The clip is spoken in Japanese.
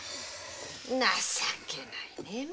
情けないねぇ！